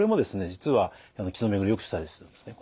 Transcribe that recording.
実は血の巡りをよくしたりするんですね。